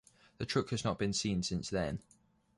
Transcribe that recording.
The truck has not been seen since then.